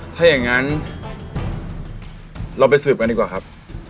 ถ้าอย่างนั้นเราไปสืบกันดีกว่าครับ